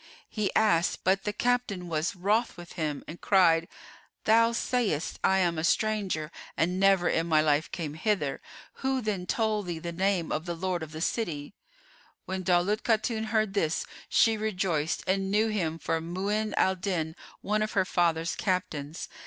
'" He asked but the captain was wroth with him and cried, "Thou sayest, 'I am a stranger and never in my life came hither.' Who then told thee the name of the lord of the city?" When Daulat Khatun heard this, she rejoiced and knew him for Mu'ín al Dín,[FN#431] one of her father's captains.